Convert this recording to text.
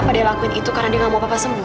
apa dia lakuin itu karena dia gak mau papa sembuh